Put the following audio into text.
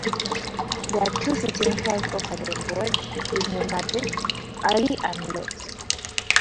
There are two seating times offered on board "Disney Magic" - early and late.